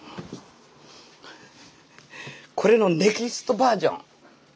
これのネクストバージョン。